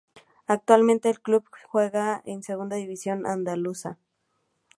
Actualmente el club juega en Segunda División Andaluza.